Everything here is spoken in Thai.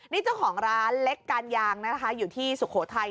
นี่เจ้าของร้านเล็กการยางนะคะอยู่ที่สุโขทัย